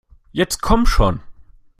Jetzt komm schon!